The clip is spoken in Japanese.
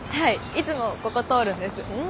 いつもここ通るんです。